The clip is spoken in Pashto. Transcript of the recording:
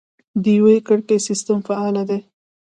د یوه کړکۍ سیستم فعال دی؟